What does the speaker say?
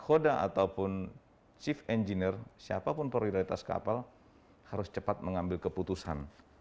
keputusan dari kapal ataupun chief engineer siapapun prioritas kapal harus cepat mengambil keputusan